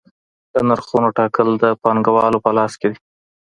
د نرخونو ټاکل د پانګوالو په لاس کي دي.